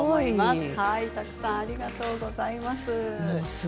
たくさん、ありがとうございます。